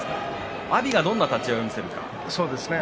阿炎がどんな立ち合いを見せるのか。